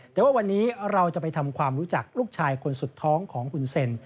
แต่ว่าวันนี้เราจะไปทำความรู้จักลูกชายคนสุดท้องของคุณเซ็น